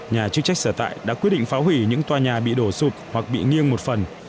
nhà chức trách sở tại đã quyết định phá hủy những tòa nhà bị đổ sụp hoặc bị nghiêng một phần